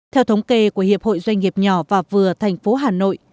theo thống kê của hiệp hội doanh nghiệp nhỏ và vừa thành phố hà nội